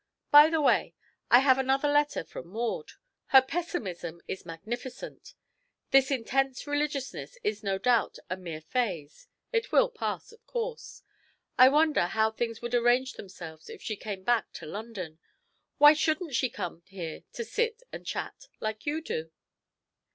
By the by, I have another letter from Maud. Her pessimism is magnificent. This intense religiousness is no doubt a mere phase; it will pass, of course; I wonder how things would arrange themselves if she came back to London. Why shouldn't she come here to sit and chat, like you do?"